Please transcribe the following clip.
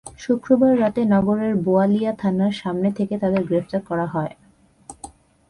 শুক্রবার রাতে নগরের বোয়ালিয়া থানার সামনে থেকে তাঁদের গ্রেপ্তার করা হয়।